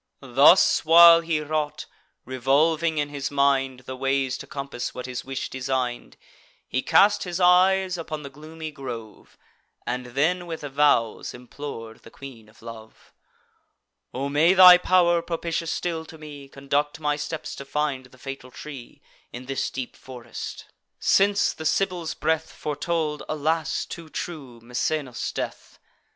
Thus while he wrought, revolving in his mind The ways to compass what his wish design'd, He cast his eyes upon the gloomy grove, And then with vows implor'd the Queen of Love: "O may thy pow'r, propitious still to me, Conduct my steps to find the fatal tree, In this deep forest; since the Sibyl's breath Foretold, alas! too true, Misenus' death."